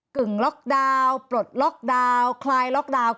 ึ่งล็อกดาวน์ปลดล็อกดาวน์คลายล็อกดาวน์